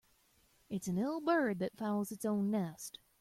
It's an ill bird that fouls its own nest.